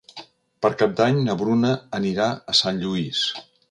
Per Cap d'Any na Bruna anirà a Sant Lluís.